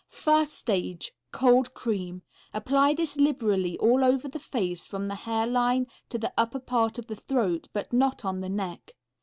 First stage. Cold cream. Apply this liberally all over the face from the hair line to the upper part of the throat, but not on the neck.